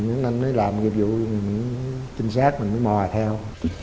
những anh ấy làm nghiệp vụ những trinh sát mình mới mòi theo